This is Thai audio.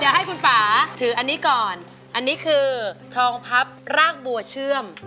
ให้คุณป่าถืออันนี้ก่อนอันนี้คือทองพับรากบัวเชื่อม